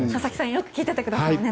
よく聞いておいてください。